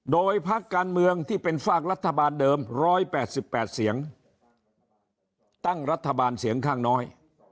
โดยภาคการเมืองที่เป็นฝากรัฐบาลเดิมร้อยแปดสิบแปดเสียงตั้งรัฐบาลเสียงข้างน้อย